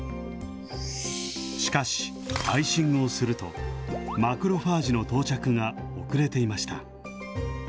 しかし、アイシングをすると、マクロファージの到着が遅れていました。